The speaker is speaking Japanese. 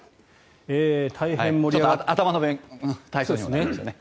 頭の体操にもなりましたね。